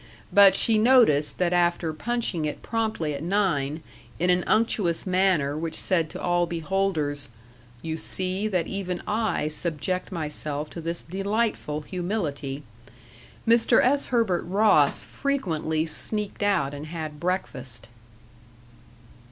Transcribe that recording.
But she noticed that after punching it promptly at nine, in an unctuous manner which said to all beholders, "You see that even I subject myself to this delightful humility," Mr. S. Herbert Ross frequently sneaked out and had breakfast....